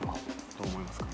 どう思いますか？